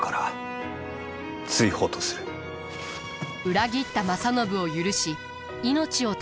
裏切った正信を許し命を助けた家康。